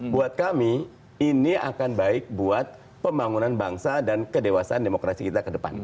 buat kami ini akan baik buat pembangunan bangsa dan kedewasaan demokrasi kita ke depan